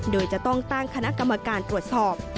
โดยจะต้องตั้งคณะกรรมการตรวจสอบ